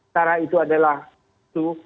cara itu adalah itu